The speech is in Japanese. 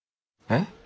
えっ！？